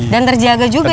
dan terjaga juga ya